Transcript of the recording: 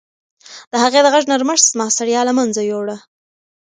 د هغې د غږ نرمښت زما ستړیا له منځه یووړه.